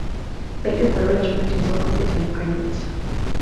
The leaf arrangement is opposite and pinnate.